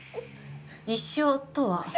一緒とは？